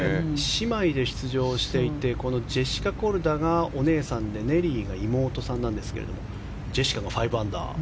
姉妹で出場していてジェシカ・コルダがお姉さんでネリーが妹さんなんですけどジェシカが５アンダー。